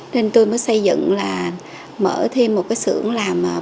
nên tôi mới xây dựng là mở thêm một cái sưởng làm bún